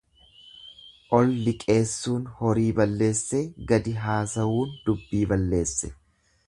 Ol liqeessuun horii balleessee gadi haasawuun dubbii balleesse.